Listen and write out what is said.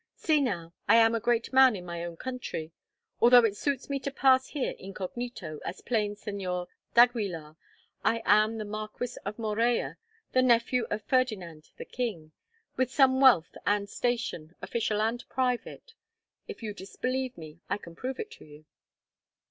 See now I am a great man in my own country. Although it suits me to pass here incognito as plain Señor d'Aguilar I am the Marquis of Morella, the nephew of Ferdinand the King, with some wealth and station, official and private. If you disbelieve me, I can prove it to you."